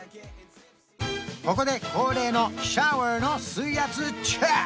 ここで恒例のシャワーの水圧チェック！